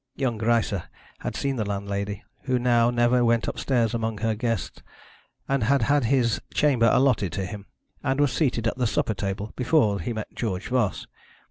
Young Greisse had seen the landlady, who now never went upstairs among her guests, and had had his chamber allotted to him, and was seated at the supper table, before he met George Voss.